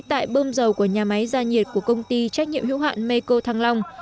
tại bơm dầu của nhà máy gia nhiệt của công ty trách nhiệm hữu hạn meko thăng long